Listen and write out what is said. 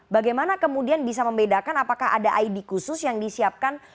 bagaimana kemudian bisa membedakan apakah ada id khusus yang disiapkan